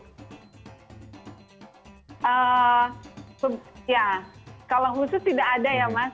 ya kalau khusus tidak ada ya mas